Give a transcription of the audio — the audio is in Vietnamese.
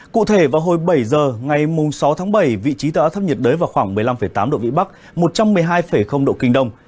cụ thể vào hồi bảy giờ ngày sáu tháng bảy vị trí tâm áp thấp nhiệt đới vào khoảng một mươi năm tám độ vĩ bắc một trăm một mươi hai độ kinh đông